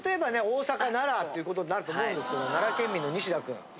大阪奈良っていうことになると思うんですけど奈良県民の西田くん。